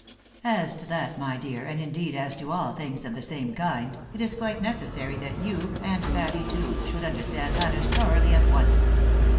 " As to that, my dear, and, indeed, as to all things of the same kind, it is quite necessary that you, and Patty too, should understand matters thoroughly at once.